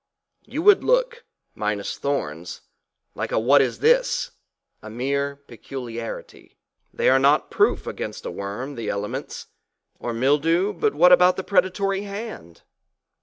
You would look, minus thorns like a what is this, a mere peculiarity. They are not proof against a worm, the elements, or mildew but what about the predatory hand?